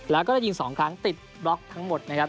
แล้วก็ได้ยิง๒ครั้งติดบล็อกทั้งหมดนะครับ